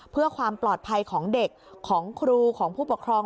เพื่อความปลอดภัยของเด็กของครูของผู้ปกครอง